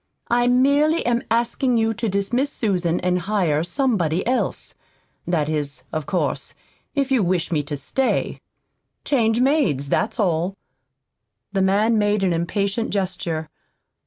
"I merely am asking you to dismiss Susan and hire somebody else that is, of course, if you wish me to stay. Change maids, that's all." The man made an impatient gesture.